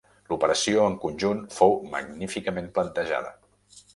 L'operació, en conjunt, fou magníficament plantejada.